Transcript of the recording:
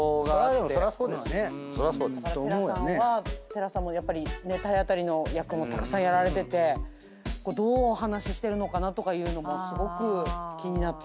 寺さんも体当たりの役もたくさんやられててこれどうお話ししてるのかなとかいうのもすごく気になって。